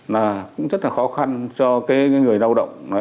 là cũng rất là khó khăn cho cái người lao động